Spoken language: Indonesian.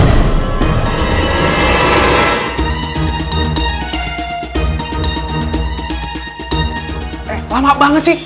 eh lama banget sih